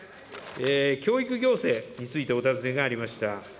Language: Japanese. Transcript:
教育行政についてお尋ねがありました。